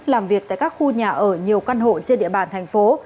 làm việc tại các khu nhà ở nhiều căn hộ trên địa bàn thành phố